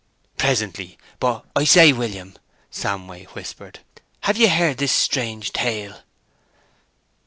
"Presently. But I say, William," Samway whispered, "have ye heard this strange tale?"